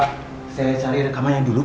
pak saya cari rekaman yang dulu pak